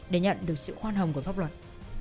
để nhận được sự khoan hồng của pháp luật